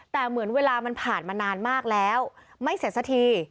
แต่เหมือนเวลามันผ่านมานานมากแล้วไม่เสร็จสักที